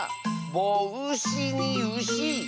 「ぼうし」に「うし」。